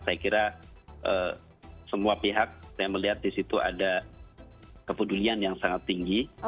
saya kira semua pihak saya melihat di situ ada kepedulian yang sangat tinggi